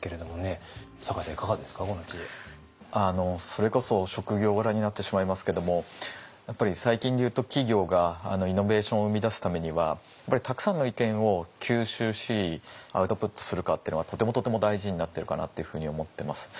それこそ職業柄になってしまいますけどもやっぱり最近で言うと企業がイノベーションを生み出すためにはやっぱりたくさんの意見を吸収しアウトプットするかっていうのがとてもとても大事になってるかなっていうふうに思ってます。